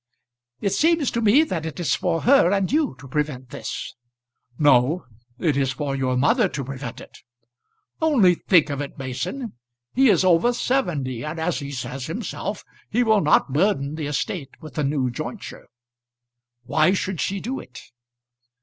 "It seems to me that it is for her and you to prevent this." "No; it is for your mother to prevent it. Only think of it, Mason. He is over seventy, and, as he says himself, he will not burden the estate with a new jointure. Why should she do it?"